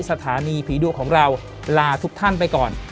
สถานีผีดุของเราลาทุกท่านไปก่อน